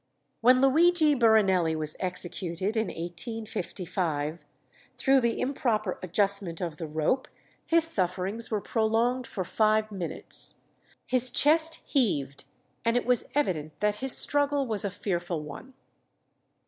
When Luigi Buranelli was executed in 1855, through the improper adjustment of the rope his sufferings were prolonged for five minutes; "his chest heaved, and it was evident that his struggle was a fearful one."